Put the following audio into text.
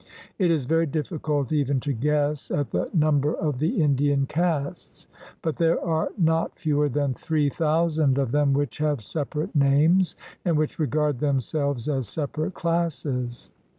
It is very difficult even to guess at the number of the Indian castes. But there are not fewer than three thousand of them which have separate names, and which regard themselves as separate classes.